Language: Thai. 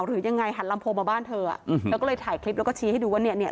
หรือยังไงหันลำโพงมาบ้านเธออ่ะอืมเธอเธอก็เลยถ่ายคลิปแล้วก็ชี้ให้ดูว่าเนี่ยเนี่ย